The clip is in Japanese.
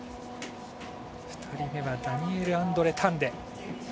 ２人目はダニエルアンドレ・タンデ。